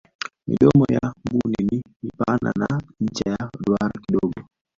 midomo ya mbuni ni mipana na ncha ya duara kidogo